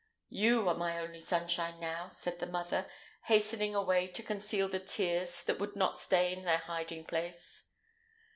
"You are my only sunshine now," said the mother, hastening away to conceal the tears that would not stay in their hiding place.